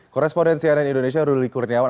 korespondensi ann indonesia ruli kurniawan